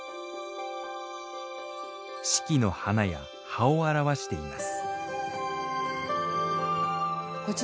四季の花や葉を表しています